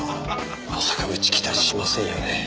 まさかうち来たりしませんよね？